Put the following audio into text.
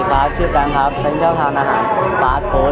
พวกเด็กแบบแฮมเบอร์เกอร์